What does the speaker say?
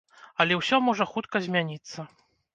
Але ўсё можа хутка змяніцца.